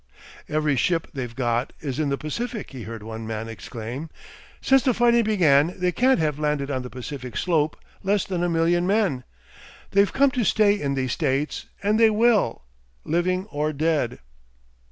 "Every ship they've got is in the Pacific," he heard one man exclaim. "Since the fighting began they can't have landed on the Pacific slope less than a million men. They've come to stay in these States, and they will living or dead."